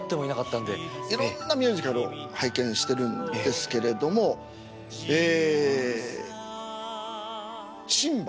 いろんなミュージカルを拝見してるんですけれどもええシンバ。